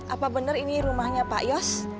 apa benar ini rumahnya pak yos